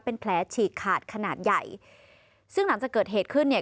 เป็นแผลฉีกขาดขนาดใหญ่ซึ่งหลังจากเกิดเหตุขึ้นเนี่ย